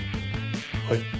はい。